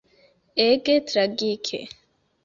Ege tragike.